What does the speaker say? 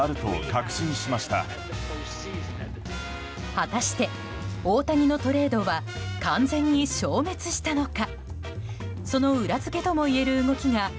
果たして、大谷のトレードは完全に消滅したのか。